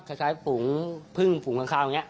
ก็ใช้ผูงผึ้งผูงข้างอย่างนี้